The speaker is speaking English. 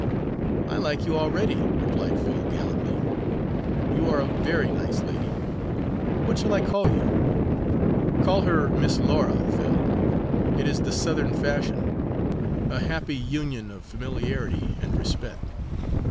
"I like you already," replied Phil gallantly. "You are a very nice lady. What shall I call you?" "Call her Miss Laura, Phil it is the Southern fashion a happy union of familiarity and respect.